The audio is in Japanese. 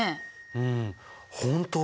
うん本当だ。